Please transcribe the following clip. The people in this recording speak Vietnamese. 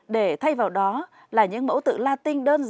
để thay vào đó là những mẫu tiếng việt thật độc đáo và dễ dàng